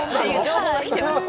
情報が来てます。